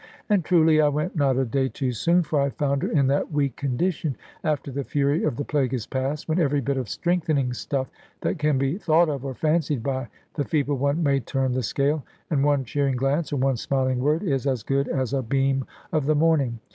And truly I went not a day too soon, for I found her in that weak condition, after the fury of the plague is past, when every bit of strengthening stuff that can be thought of, or fancied by, the feeble one may turn the scale, and one cheering glance or one smiling word is as good as a beam of the morning.